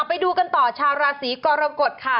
ไปดูกันต่อชาวราศีกรกฎค่ะ